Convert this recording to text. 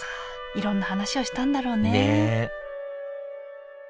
いろんな話をしたんだろうねねえ